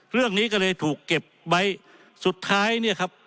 เรื่องนี้ก็เลยถูกเก็บไว้สุดท้ายเนี่ยครับ